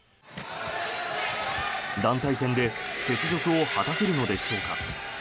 団体戦で雪辱を果たせるのでしょうか。